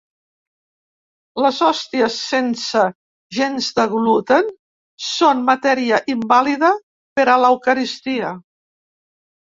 Les hòsties sense gens de gluten són matèria invàlida per a l’eucaristia.